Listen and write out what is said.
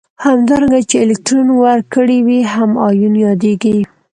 همدارنګه چې الکترون ورکړی وي هم ایون یادیږي.